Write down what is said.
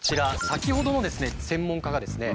先ほどの専門家がですね